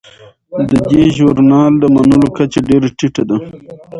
د دې ژورنال د منلو کچه ډیره ټیټه ده.